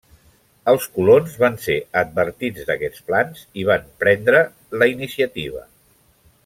Els colons van ser advertits d'aquests plans i van prendre la iniciativa.